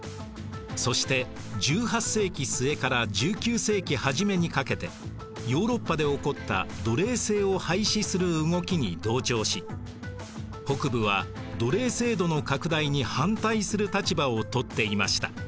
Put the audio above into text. そして１８世紀末から１９世紀初めにかけてヨーロッパで起こった奴隷制を廃止する動きに同調し北部は奴隷制度の拡大に反対する立場をとっていました。